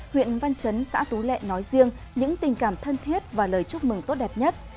huyện văn chấn xã tú lệ nói riêng những tình cảm thân thiết và lời chúc mừng tốt đẹp nhất